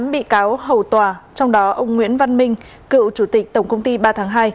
tám bị cáo hầu tòa trong đó ông nguyễn văn minh cựu chủ tịch tổng công ty ba tháng hai